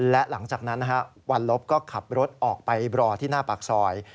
และหลังจากนั้นวันลบก็ขับรถออกไปรอที่หน้าปากซอย